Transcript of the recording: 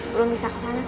belum bisa kesana